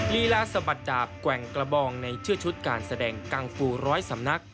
ลีลาสะบัดจากแกว่งกระบองในชื่อชุดการแสดงกังฟูร้อยสำนัก